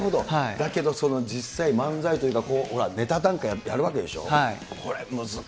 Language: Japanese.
だけどその実際、漫才というか、ほら、ネタなんかもやるわけでしょ。